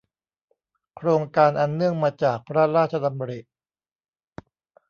โครงการอันเนื่องมาจากพระราชดำริ